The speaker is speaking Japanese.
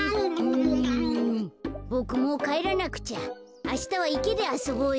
ボクもうかえらなくちゃ。あしたはいけであそぼうよ。